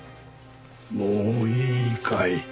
もういいかい？